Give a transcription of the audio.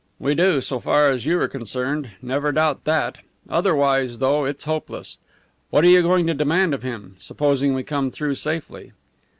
"We do so far as you are concerned. Never doubt that. Otherwise, though, it's hopeless. What are you going to demand of him supposing we come through safely?"